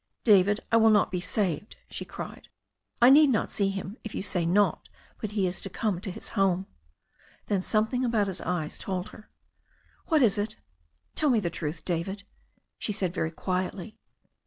"David, I will not be saved," she cried. "I need not see him, if you say not. But he is to come to his own home." Then something about his eyes told her. "What is it? Tell me the truth, David," she said very quietly.